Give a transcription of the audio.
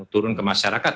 turun ke masyarakat